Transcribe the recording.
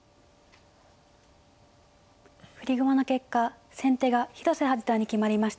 振り駒の結果先手が広瀬八段に決まりました。